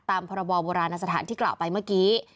พรบโบราณสถานที่กล่าวไปเมื่อกี้